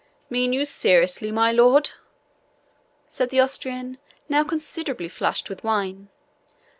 "Mean you seriously, my lord?" said the Austrian, now considerably flushed with wine.